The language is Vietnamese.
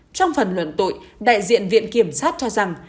trong phần luận tội đại diện viện kiểm sát cho rằng